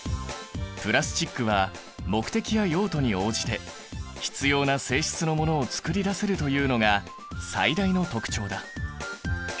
プラスチックは目的や用途に応じて必要な性質なものをつくり出せるというのが最大の特徴だ。